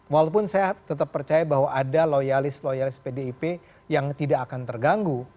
walaupun saya tetap percaya bahwa ada loyalis loyalis pdip yang tidak akan terganggu